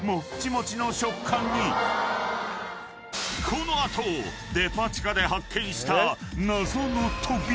［この後デパ地下で発見した］